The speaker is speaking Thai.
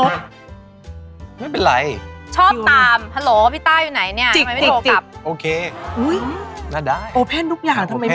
เจ้าชูมั๊ย